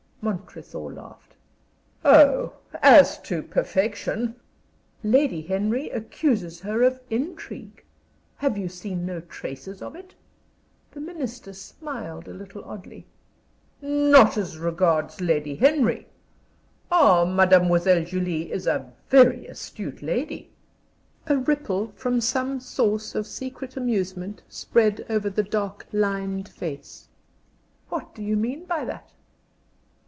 Montresor laughed. "Oh, as to perfection " "Lady Henry accuses her of intrigue. You have seen no traces of it?" The Minister smiled a little oddly. "Not as regards Lady Henry. Oh, Mademoiselle Julie is a very astute lady." A ripple from some source of secret amusement spread over the dark lined face. "What do you mean by that?"